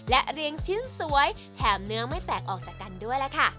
และเรียงชิ้นสวยแถมเนื้อไม่แตกออกจากกันด้วยล่ะค่ะ